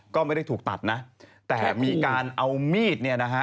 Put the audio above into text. ก็ไม่ได้ถูกตัดนะแต่มีการเอามีดเนี่ยนะฮะ